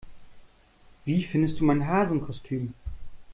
Wie findest du mein Hasenkostüm?